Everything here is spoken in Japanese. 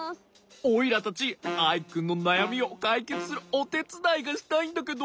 オイラたちアイくんのなやみをかいけつするおてつだいがしたいんだけど。